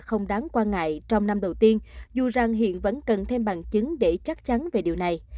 không đáng quan ngại trong năm đầu tiên dù rằng hiện vẫn cần thêm bằng chứng để chắc chắn về điều này